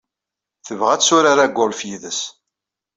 Tebɣa ad turar agolf yid-s.